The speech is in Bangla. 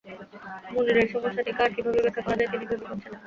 মুনিরের সমস্যাটিকে আর কীভাবে ব্যাখ্যা করা যায়, তিনি ভেবে পাচ্ছেন না।